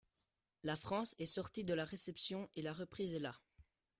La France est sortie de la récession, et la reprise est là